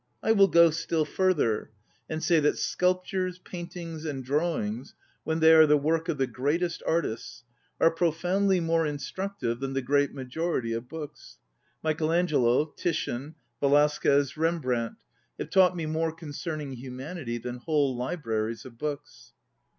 I will go still further, and say that sculptures, paintings, and drawings, when they are the work of the greatest artists, are profoundly more instructive than the great majority of books. Michael Angelo, Titian, Velasquez, Rembrandt, have taught me more concerning humanity than whole libraries of books.